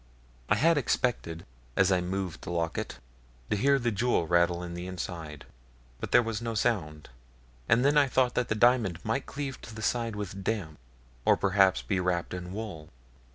I had expected as I moved the locket to hear the jewel rattle in the inside, but there was no sound, and then I thought that the diamond might cleave to the side with damp, or perhaps be wrapped in wool.